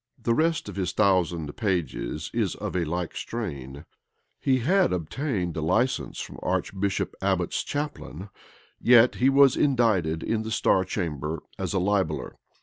The rest of his thousand pages is of a like strain. He had obtained a license from Archbishop Abbot's chaplain; yet was he indicted in the star chamber as a libeller.